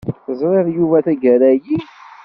Teẓriḍ Yuba tagara-yi?